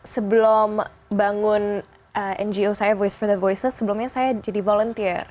sebelum bangun ngo saya voice for the voiceless sebelumnya saya jadi volunteer